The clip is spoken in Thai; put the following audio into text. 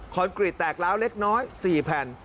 กรีตแตกแล้วเล็กน้อย๔แผ่น